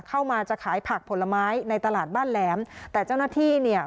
เข้ามาจะขายผักผลไม้ในตลาดบ้านแหลมแต่เจ้าหน้าที่เนี่ย